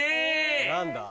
何だ？